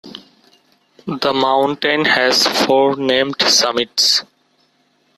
The mountain has four named summits.